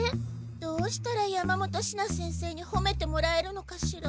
どうしたら山本シナ先生にほめてもらえるのかしら。